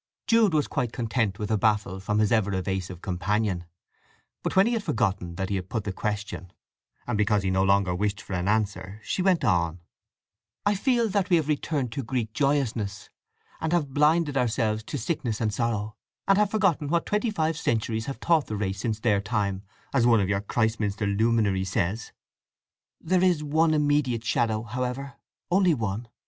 Jude was quite content with a baffle from his ever evasive companion. But when he had forgotten that he had put the question, and because he no longer wished for an answer, she went on: "I feel that we have returned to Greek joyousness, and have blinded ourselves to sickness and sorrow, and have forgotten what twenty five centuries have taught the race since their time, as one of your Christminster luminaries says… There is one immediate shadow, however—only one."